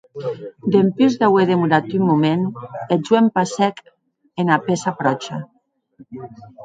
Dempús d’auer demorat un moment, eth joen passèc ena pèça pròcha.